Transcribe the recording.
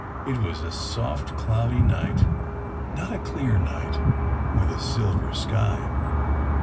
It was a soft, cloudy night; not a clear night with a silver sky.